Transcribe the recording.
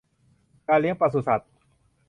การเลี้ยงปศุสัตว์